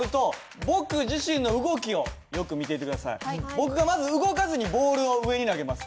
僕がまず動かずにボールを上に投げます。